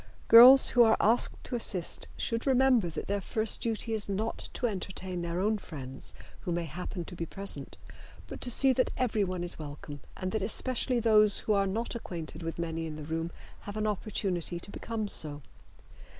Girls who are asked to assist should remember that their first duty is not to entertain their own friends who may happen to be present, but to see that everyone is welcome and that especially those who are not acquainted with many in the room have an opportunity to become so.